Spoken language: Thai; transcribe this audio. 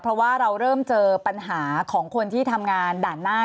เพราะว่าเราเริ่มเจอปัญหาของคนที่ทำงานด่านหน้า